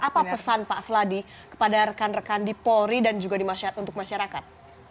apa pesan pak seladi kepada rekan rekan di polri dan juga untuk masyarakat